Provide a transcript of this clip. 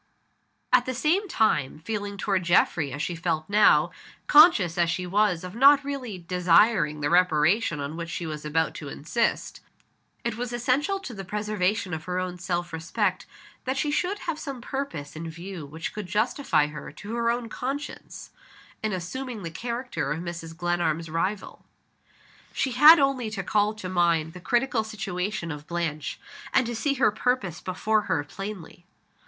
At the same time, feeling toward Geoffrey as she felt now conscious as she was of not really desiring the reparation on which she was about to insist it was essential to the preservation of her own self respect that she should have some purpose in view which could justify her to her own conscience in assuming the character of Mrs. Glenarm's rival. She had only to call to mind the critical situation of Blanche and to see her purpose before her plainly.